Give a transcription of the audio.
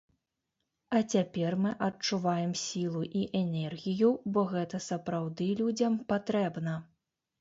А цяпер мы адчуваем сілу і энергію, бо гэта сапраўды людзям патрэбна.